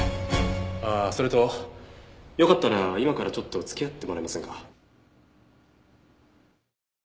ああそれとよかったら今からちょっと付き合ってもらえませんか？